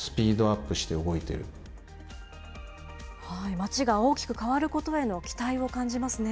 町が大きく変わることへの期待を感じますね。